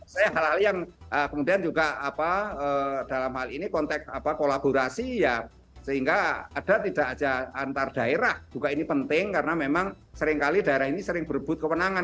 saya hal hal yang kemudian juga dalam hal ini konteks kolaborasi ya sehingga ada tidak saja antar daerah juga ini penting karena memang seringkali daerah ini sering berbut kewenangan